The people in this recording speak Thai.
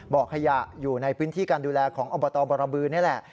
บ่อขยะอยู่ในพื้นที่การดูแลของอบตบรบือนี่แหละ